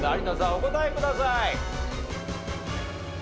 お答えください。